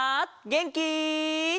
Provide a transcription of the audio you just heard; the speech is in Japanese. げんき？